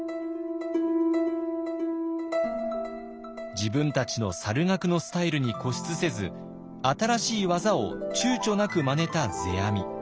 自分たちの猿楽のスタイルに固執せず新しい技をちゅうちょなくまねた世阿弥。